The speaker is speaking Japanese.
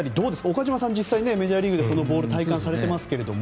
岡島さん、実際にメジャーリーグでそのボールを体感されていますが。